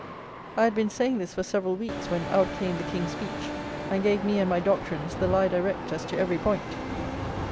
I had been saying this for several weeks, when, out came the King's Speech and gave me and my doctrines the lie direct as to every point.